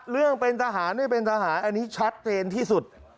เรื่องเป็นทหารไม่เป็นทหารอันนี้ชัดเจนที่สุด